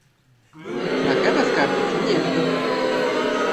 На гэта скардзіцца нельга.